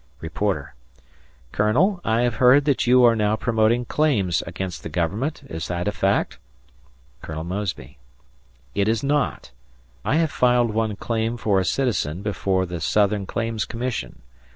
Reporter: "Colonel, I have heard that you are now promoting claims against the Government, is that a fact?" Colonel Mosby: "It is not. I have filed one claim for a citizen before the Southern Claims Commission.